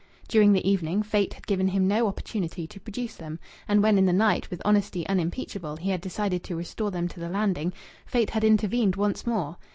During the evening Fate had given him no opportunity to produce them. And when in the night, with honesty unimpeachable, he had decided to restore them to the landing, Fate had intervened once more.